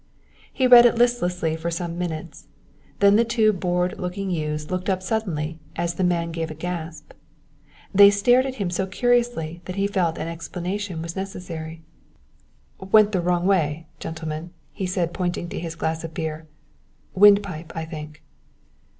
He read it listlessly for some minutes, then the two bored looking youths looked up suddenly as the man gave a gasp. They stared at him so curiously that he felt an explanation was necessary. "Went the wrong way gentlemen," he said, pointing to his glass of beer "windpipe, I think."